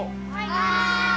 はい。